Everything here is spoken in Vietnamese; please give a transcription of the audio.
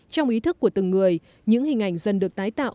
trong ý thức của từng người những hình ảnh dần được tái tạo